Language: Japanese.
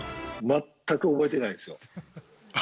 全く覚えてないですか。